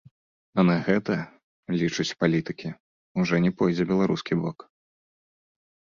А на гэта, лічаць палітыкі, ужо не пойдзе беларускі бок.